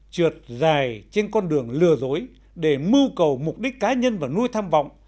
trượt dài trên con đường lừa dối để mưu cầu mục đích cá nhân và nuôi tham vọng